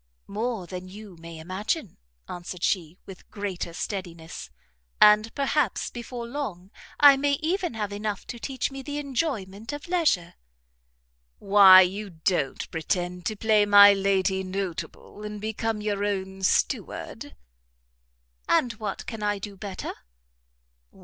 "More than you may imagine," answered she, with greater steadiness; "and perhaps before long I may even have enough to teach me the enjoyment of leisure." "Why you don't pretend to play my Lady Notable, and become your own steward?" "And what can I do better?"